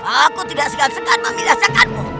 aku tidak segan segan memidasikanmu